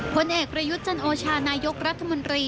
ผลเอกประยุทธ์จันโอชานายกรัฐมนตรี